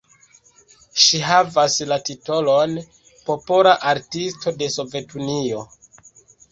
Ŝi havas la titolon "Popola Artisto de Sovetunio".